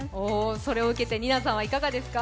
それを受けてＮＩＮＡさんはいかががすか。